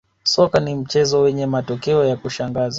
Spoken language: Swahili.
soka ni mchezo wenye matokeo ya kushangaza